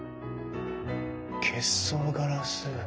結霜ガラス。